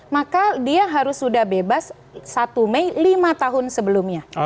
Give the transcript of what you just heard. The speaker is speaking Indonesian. maka dia harus sudah bebas satu mei lima tahun sebelumnya